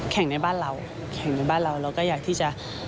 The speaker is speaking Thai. ในบ้านเราแข่งในบ้านเราเราก็อยากที่จะ